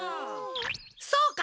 そうか！